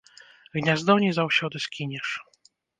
Гняздо не заўсёды скінеш.